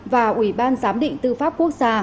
và ủy ban giám định tư pháp quốc gia